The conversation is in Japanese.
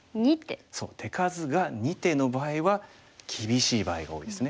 そう手数が２手の場合は厳しい場合が多いですね。